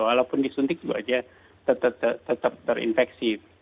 walaupun disuntik itu aja tetap terinfeksi